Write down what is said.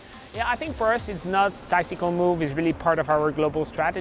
saya pikir untuk kami ini bukan pergerakan taktik ini benar benar bagian dari strategi global kami